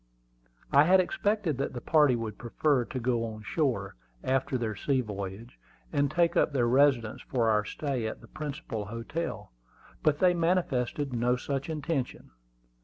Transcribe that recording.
I had expected that the party would prefer to go on shore, after their sea voyage, and take up their residence for our stay at the principal hotel; but they manifested no such intention.